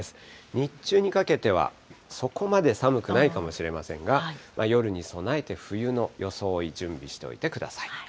日中にかけてはそこまで寒くないかもしれませんが、夜に備えて冬の装い、準備しておいてください。